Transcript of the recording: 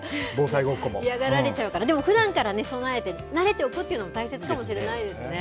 嫌がられちゃうから、でも、ふだんからね、備えて慣れておくというのも大切かもしれないです